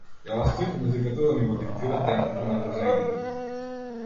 Ја оставив музиката да ми го диктира темпото на возењето.